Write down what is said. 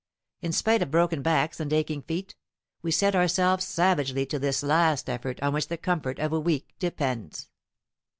In spite of broken backs and aching feet, we set ourselves savagely to this last effort on which the comfort of a week depends.